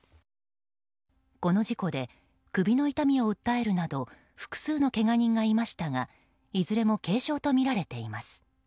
この事故で首の痛みを訴えるなど複数のけが人がいましたがいずれも軽傷とみられています。